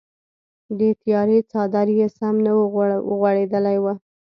د تیارې څادر چې سم نه وغوړیدلی و.